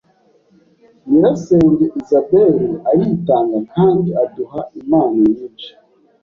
Nyirasenge Isabel aritanga kandi aduha impano nyinshi.